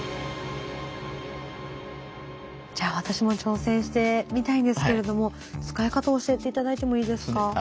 じゃあ私も挑戦してみたいんですけれども使い方教えて頂いてもいいですか？